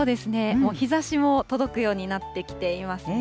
もう日ざしも届くようになってきていますね。